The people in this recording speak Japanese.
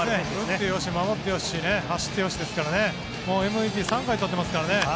打ってよし、守ってよし走ってよしですからＭＶＰを３回も取ってますからね。